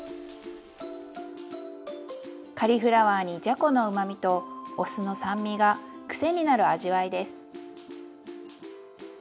カリフラワーにじゃこのうまみとお酢の酸味が癖になる味わいです。